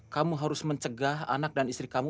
kamu harus mencegah anak dan istri kamu